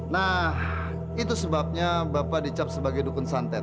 nah itu sebabnya bapak dicap sebagai dukun santet